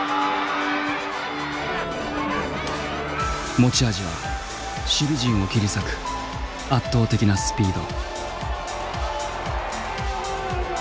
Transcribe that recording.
持ち味は守備陣を切り裂く圧倒的なスピード。